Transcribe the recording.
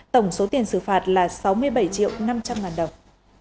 tổng số tiền xử phạt là sáu mươi bảy triệu năm trăm linh ngàn đồng